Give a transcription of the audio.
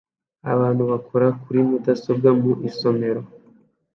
Abantu bakora kuri mudasobwa mu isomero